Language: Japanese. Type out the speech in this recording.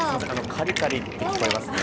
カリカリって聞こえますね。